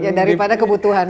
ya daripada kebutuhan itu